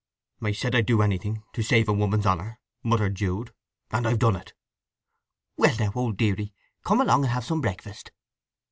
"I said I'd do anything to—save a woman's honour," muttered Jude. "And I've done it!" "Well now, old deary, come along and have some breakfast."